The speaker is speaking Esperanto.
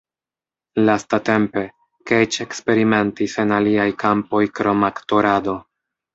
Lastatempe, Cage eksperimentis en aliaj kampoj krom aktorado.